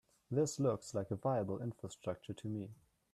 This looks like a viable infrastructure to me.